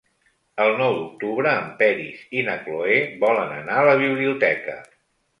El nou d'octubre en Peris i na Cloè volen anar a la biblioteca.